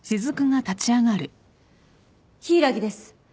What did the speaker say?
柊木です。